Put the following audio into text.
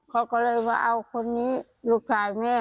เขาก็เลยว่าเอาคนนี้ลูกชายแม่